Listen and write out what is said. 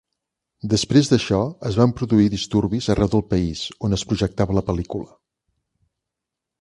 Després d'això, es van produir disturbis arreu del país on es projectava la pel·lícula.